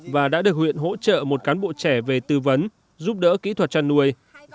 và đã được huyện hỗ trợ một cán bộ trẻ về tư vấn giúp đỡ kỹ thuật chăn nuôi